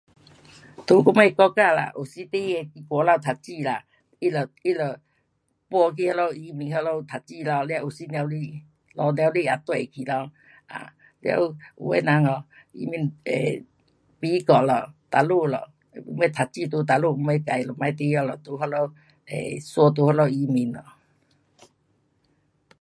在我们国家啦，有时孩儿去外头读书啦，他就，他就，搬去那里移民那里读书咯，了有时母亲，父母亲也跟去咯。了有的人 um 移民 um 美国咯，哪里咯，什么读书在那里什么待那里地方咯，在那里 so 在那里移民咯。